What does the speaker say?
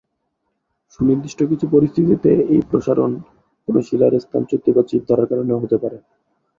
সুনির্দিষ্ট কিছু পরিস্থিতিতে, এই প্রসারণ কোন শিলার স্থানচ্যুতি বা চিড় ধরার কারণ হতে পারে।